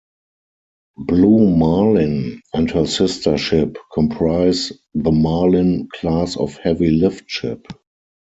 "Blue Marlin" and her sister ship comprise the "Marlin" class of heavy lift ship.